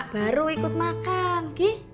baru ikut makan